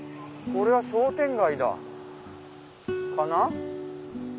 これは商店街だ。かな？